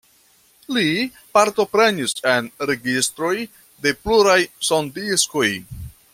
Li partoprenis en registroj de pluraj sondiskoj.